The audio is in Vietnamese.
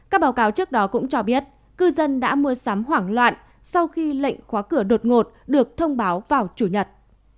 các báo cáo trước đó cũng cho biết cư dân đã mua sắm hoảng loạn sau khi lệnh khóa cửa đột ngột được thông báo vào chủ nhật